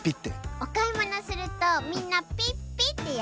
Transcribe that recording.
おかいものするとみんなピッピッてやるんだよ。